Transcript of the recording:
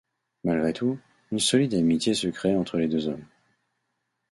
Malgré tout, une solide amitié se crée entre les deux hommes...